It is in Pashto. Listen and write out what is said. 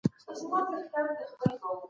مشاورینو به په قانون کي مساوات رامنځته کول.